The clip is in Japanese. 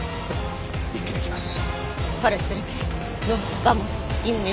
一気に行きます。